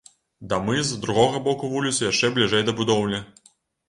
Дамы з другога боку вуліцы яшчэ бліжэй да будоўлі.